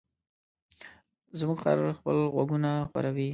زموږ خر خپل غوږونه ښوروي.